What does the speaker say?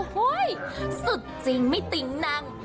โห้ยสุดจริงไม่ติ๊งน้าง